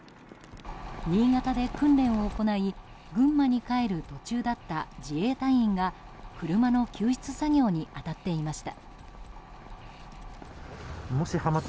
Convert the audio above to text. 新潟で訓練を行い群馬に帰る途中だった自衛隊員が、車の救出作業に当たっていました。